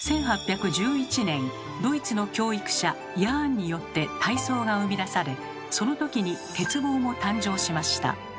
１８１１年ドイツの教育者ヤーンによって体操が生み出されそのときに「鉄棒」も誕生しました。